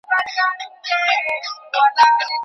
چي له ستوني دي آواز نه وي وتلی